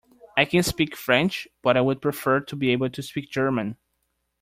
I can speak French, but I would prefer to be able to speak German